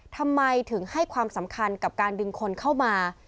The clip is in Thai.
ทำไมถึงให้ความสำคัญกับการดึงคนเข้ามา